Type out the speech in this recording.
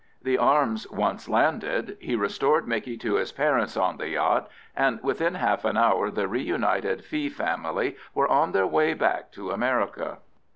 The arms once landed, he restored Micky to his parents on the yacht, and within half an hour the reunited Fee family were on their way back to America.